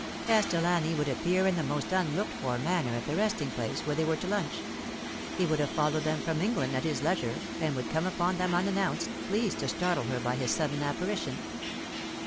Castellani would appear in the most unlooked for manner at the resting place where they were to lunch. He would have followed them from England at his leisure, and would come upon them unannounced, pleased to startle her by his sudden apparition.